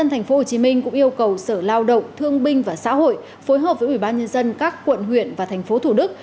hồ chí minh cũng yêu cầu sở lao động thương binh và xã hội phối hợp với ubnd các quận huyện và thành phố thủ đức